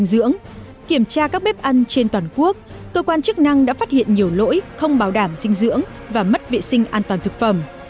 kiểm tra các bếp ăn trên toàn quốc cơ quan chức năng đã phát hiện nhiều lỗi không bảo đảm dinh dưỡng và mất vệ sinh an toàn thực phẩm